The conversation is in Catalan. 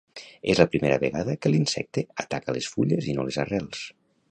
És la primera vegada que l'insecte ataca les fulles i no les arrels.